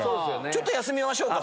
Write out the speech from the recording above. ちょっと休みましょうか。